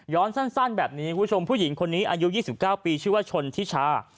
สั้นแบบนี้คุณผู้ชมผู้หญิงคนนี้อายุ๒๙ปีชื่อว่าชนทิชา